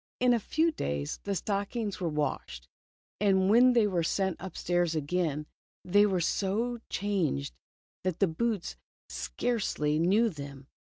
In a few days the stockings were washed, and when they were sent upstairs again, they were so changed, that the boots scarcely knew them.